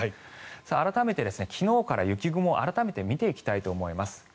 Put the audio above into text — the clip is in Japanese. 改めて昨日からの雪雲を見ていきたいと思います。